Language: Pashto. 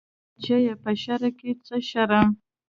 بچيه په شرع کې څه شرم.